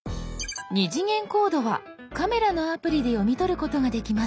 「２次元コード」はカメラのアプリで読み取ることができます。